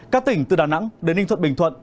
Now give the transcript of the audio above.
các tỉnh từ đà nẵng đến ninh thuận bình thuận